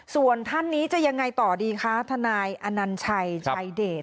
ส่วนท่านนี้จะยังไงต่อดีคะทนายอนัญชัยชายเดช